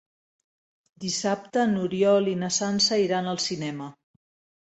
Dissabte n'Oriol i na Sança iran al cinema.